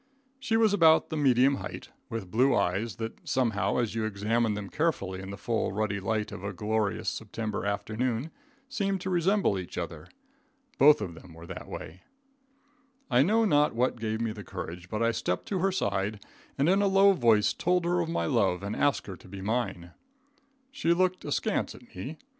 She was about the medium height, with blue eyes, that somehow, as you examined them carefully in the full, ruddy light of a glorious September afternoon, seemed to resemble each other. Both of them were that way, I know not what gave me the courage, but I stepped to her side, and in a low voice told her of my love and asked her to be mine. She looked askance at me.